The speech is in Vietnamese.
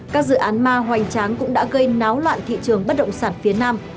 các dự án ma hoành tráng cũng đã gây náo loạn thị trường bất động sản phía nam